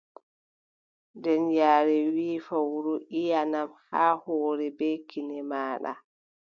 Nden yaare wii fowru: iʼanam haa hoore bee kine maaɗa.